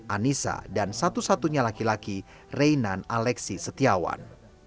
anissa dan satu satunya laki laki reynan aleksi setiawan